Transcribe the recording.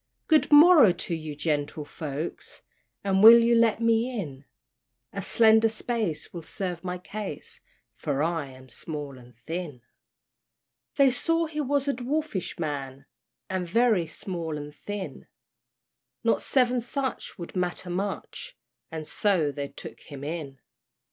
"Good morrow to ye, gentle folks, And will you let me in? A slender space will serve my case, For I am small and thin." They saw he was a dwarfish man, And very small and thin; Not seven such would matter much, And so they took him in.